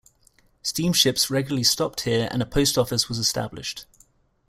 Steam ships regularly stopped here and a post office was established.